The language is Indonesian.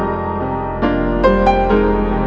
aku gak dengerin kata kata kamu mas